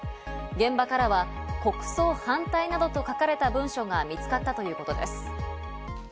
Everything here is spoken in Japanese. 現場からは「国葬反対」などと書かれた文書が見つかったということです。